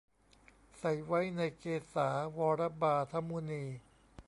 ใส่ไว้ในเกศา วระบาทะมุนี